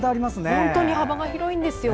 本当に幅が広いんですよ。